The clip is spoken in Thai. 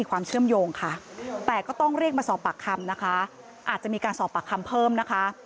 ก็ต้องเรียกมาสอบปากคำนะคะอาจจะมีการสอบปากคำเพิ่มนะคะ